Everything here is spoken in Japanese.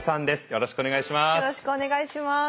よろしくお願いします。